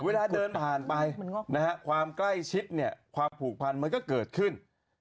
เวลาเดินผ่านไปความใกล้ชิดเนี่ยความผูกพันมันก็เกิดขึ้น